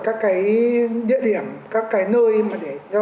các cái địa điểm các cái nơi để cho mọi người xem được